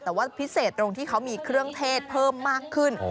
แต่ว่าพิเศษตรงที่เขามีเครื่องเทศเพิ่มมากขึ้น